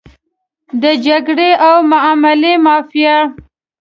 د جګړې او معاملې مافیا.